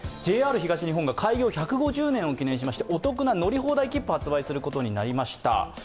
ＪＲ東日本が開業１５０年を記念しましてお得な乗り放題切符を発売することになりました。